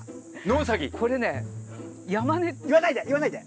これね言わないで言わないで！